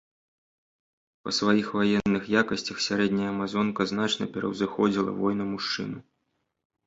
Па сваіх ваенных якасцях сярэдняя амазонка значна пераўзыходзіла воіна-мужчыну.